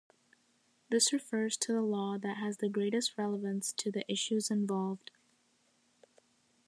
This refers to the law that has the greatest relevance to the issues involved.